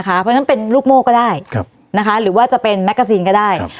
เพราะฉะนั้นเป็นลูกโม่ก็ได้หรือว่าจะเป็นแมกกาซีนก็ได้